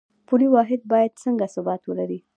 پولي واحد باید څنګه ثبات ولري؟